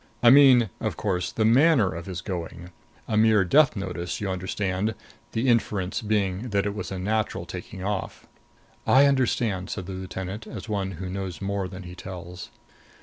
I mean, of course, the manner of his going. A mere death notice, you understand the inference being that it was a natural taking off." "I understand," said the lieutenant, as one who knows more than he tells.